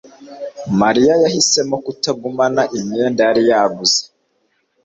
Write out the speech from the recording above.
mariya yahisemo kutagumana imyenda yari yaguze